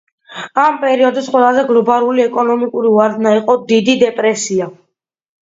ამ პერიოდის ყველაზე გლობალური ეკონომიკური ვარდნა იყო „დიდი დეპრესია“.